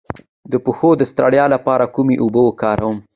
د پښو د ستړیا لپاره کومې اوبه وکاروم؟